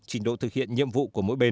trình độ thực hiện nhiệm vụ của mỗi bên